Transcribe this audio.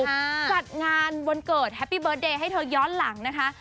จัดงานวันเกิดแฮปปี้เบิร์ตเดย์ให้เธอย้อนหลังนะคะ